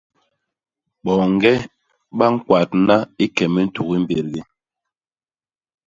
Boñge ba ñkwadna i ke mintuk i mbédgé.